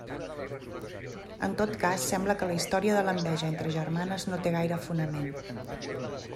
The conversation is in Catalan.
En tot cas sembla que la història de l'enveja entre germanes no té gaire fonament.